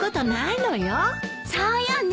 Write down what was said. そうよね。